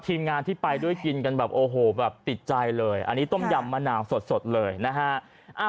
ทีมงานที่ไปด้วยกินกันแบบโอ้โหแบบติดใจเลยอันนี้ต้มยำมะนาวสดเลยนะฮะ